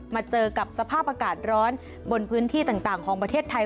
มาเจอกับสภาพอากาศร้อนบนพื้นที่ต่างของประเทศไทย